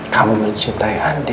kamu mencintai andi